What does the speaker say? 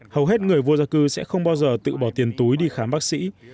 hầu hết người vô gia cư sẽ không bao giờ tự bỏ tiền túi đi khám bác sĩ